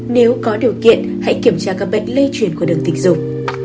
nếu có điều kiện hãy kiểm tra các bệnh lây chuyển qua đường tình dục